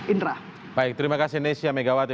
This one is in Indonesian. indra baik terima kasih nesya megawati